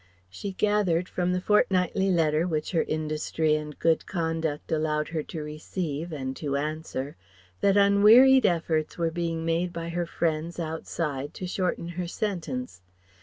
She gathered from the fortnightly letter which her industry and good conduct allowed her to receive, and to answer, that unwearied efforts were being made by her friends outside to shorten her sentence.